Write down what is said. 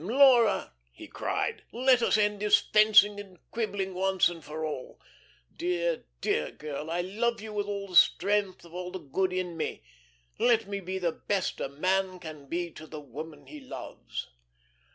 "Laura," he cried, "let us end this fencing and quibbling once and for all. Dear, dear girl, I love you with all the strength of all the good in me. Let me be the best a man can be to the woman he loves."